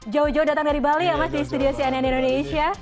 jauh jauh datang dari bali ya mas di studio cnn indonesia